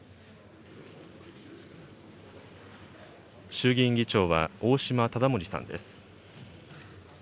衆議院議長は大島理森さんです。